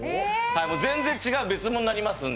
全然違う別物になりますんで。